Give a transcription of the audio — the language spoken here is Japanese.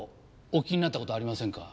お聞きになった事ありませんか？